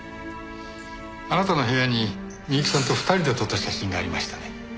あなたの部屋に美雪さんと２人で撮った写真がありましたね。